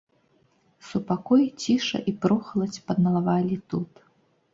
Супакой, ціша і прохаладзь панавалі тут.